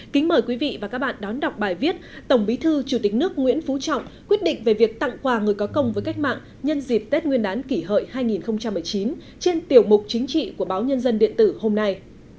kính mời quý vị và các bạn đón đọc bài viết tổng bí thư chủ tịch nước nguyễn phú trọng quyết định về việc tặng quà người có công với cách mạng nhân dịp tết nguyên đán kỷ hợi hai nghìn một mươi chín trên tiểu mục chính trị của báo nhân dân điện tử hôm nay